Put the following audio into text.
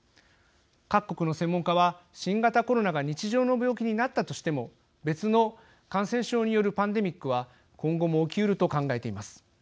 各国の専門家は新型コロナが日常の病気になったとしても別の感染症によるパンデミックは今後も起きうると考えています。